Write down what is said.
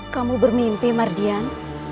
kamu bermimpi mardian